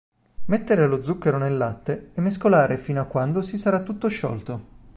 Mettere lo zucchero nel latte e mescolare fino a quando si sarà tutto sciolto.